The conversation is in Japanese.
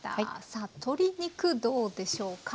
さあ鶏肉どうでしょうか？